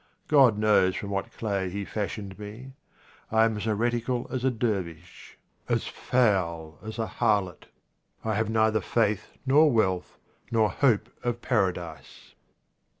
God knows from what clay He fashioned me. I am as heretical as a dervish, as foul as a harlot. I have neither faith nor wealth, nor hope of Paradise.